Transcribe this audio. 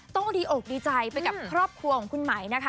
ต้องดีอกดีใจไปกับครอบครัวของคุณไหมนะคะ